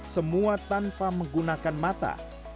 semua tanpa menggunakan mata